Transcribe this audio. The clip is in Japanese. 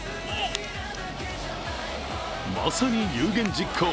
まさに有言実行。